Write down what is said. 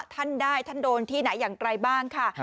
ท่านได้ท่านโดนที่ไหนอย่างไรบ้างค่ะ